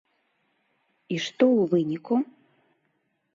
І што ў выніку?